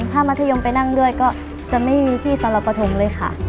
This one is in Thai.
ถ้ามัธยมไปนั่งด้วยก็จะไม่มีที่สรปฐมเลยค่ะ